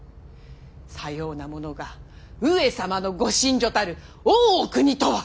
さようなものが上様のご寝所たる大奥にとは！